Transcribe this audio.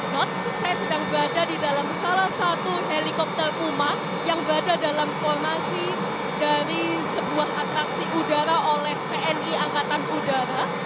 saat saya sedang berada di dalam salah satu helikopter kuma yang berada dalam formasi dari sebuah atraksi udara oleh tni angkatan udara